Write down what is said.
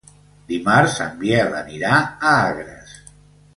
Dimarts en Biel anirà a Agres.